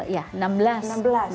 ya enam belas